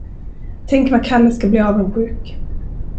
Tänk vad Kalle ska bli avundsjuk!